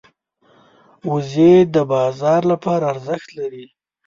وزې د بازار لپاره ارزښت لري